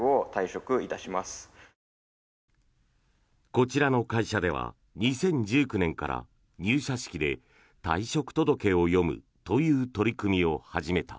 こちらの会社では２０１９年から入社式で退職届を読むという取り組みを始めた。